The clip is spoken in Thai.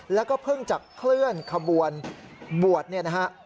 แล้วก็เพิ่งจะเคลื่อนขบวนบวชเนี่ยนะฮะ